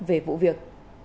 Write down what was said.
về vụ việc